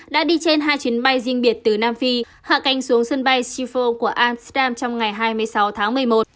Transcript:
đã đi trên hai chuyến bay riêng biệt từ nam phi hạ canh xuống sân bay schiphol của amsterdam trong ngày hai mươi sáu tháng một mươi một